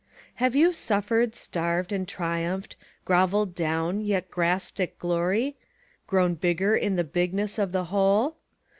Have you suffered, starved and triumphed, groveled down, yet grasped at glory, Grown bigger in the bigness of the whole?